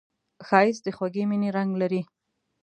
ښایست د خوږې مینې رنګ لري